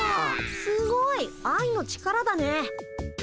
すごい愛の力だね。